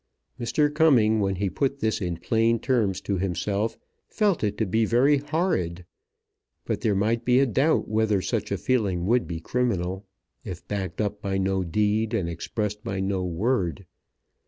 Mr. Cumming, when he put this in plain terms to himself, felt it to be very horrid; but there might be a doubt whether such a feeling would be criminal, if backed up by no deed and expressed by no word.